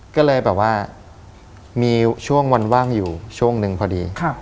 ก็เลยแบบว่ามีช่วงวันว่างอยู่ช่วงหนึ่งพอดี